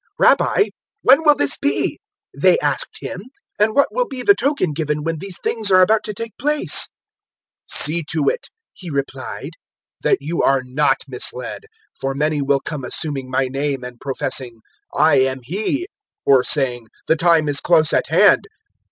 021:007 "Rabbi, when will this be?" they asked Him, "and what will be the token given when these things are about to take place?" 021:008 "See to it," He replied, "that you are not misled; for many will come assuming my name and professing, `I am He,' or saying, `The time is close at hand.'